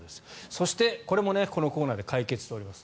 そして、これもこのコーナーで解決しております。